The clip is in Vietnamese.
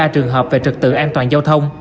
trường hợp về trực tượng an toàn giao thông